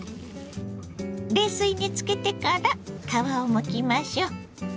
冷水につけてから皮をむきましょう。